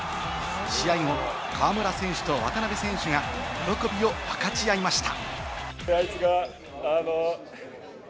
試合後、河村選手と渡邊選手が喜びを分かち合いました。